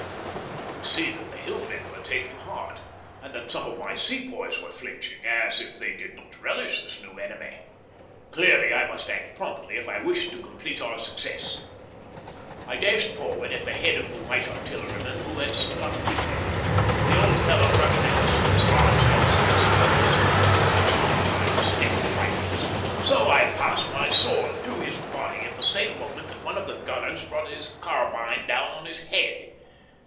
I could see that the Hillmen were taking heart, and that some of my Sepoys were flinching, as if they did not relish this new enemy. Clearly, I must act promptly if I wished to complete our success. I dashed forward at the head of the white artillerymen who had stuck to me. The old fellow rushed at us with his arms out as if to stop us, but it was not time to stick at trifles, so I passed my sword through his body at the same moment that one of the gunners brought his carbine down upon his head.